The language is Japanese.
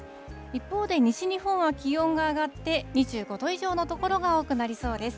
一方で西日本は気温が上がって２５度以上の所が多くなりそうです。